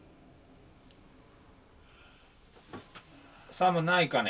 寒ないかね。